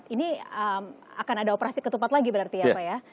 ini akan ada operasi ketupat lagi berarti ya pak ya